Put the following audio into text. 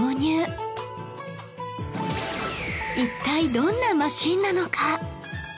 一体どんなマシンなのか？